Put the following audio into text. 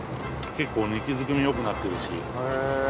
結構肉付きも良くなってるし。